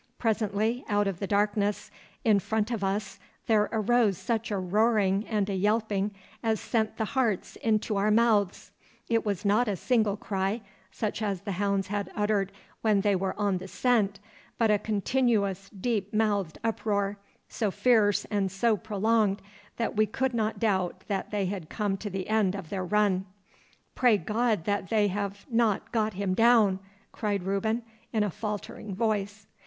Presently out of the darkness in front of us there arose such a roaring and a yelping as sent the hearts into our mouths. It was not a single cry, such as the hounds had uttered when they were on the scent, but a continuous deep mouthed uproar, so fierce and so prolonged, that we could not doubt that they had come to the end of their run. 'Pray God that they have not got him down!' cried Reuben, in a faltering voice.